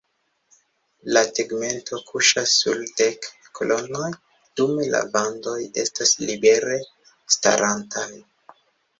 La tegmento kuŝas sur dek kolonoj dume la vandoj estas libere starantaj.